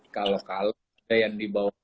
kalau kalau ada yang dibawa